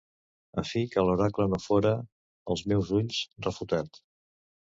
A fi que l'oracle no fóra, als meus ulls, refutat.